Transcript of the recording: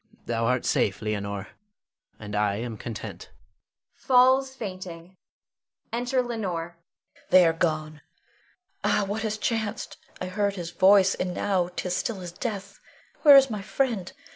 Thou art safe, Leonore, and I am content. [Falls fainting.] [Enter Leonore. Leonore. They are gone. Ah, what has chanced? I heard his voice, and now 'tis still as death. Where is my friend?